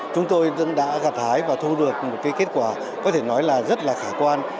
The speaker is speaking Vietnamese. chúng tôi đã gặt hái và thu được một kết quả có thể nói là rất là khả quan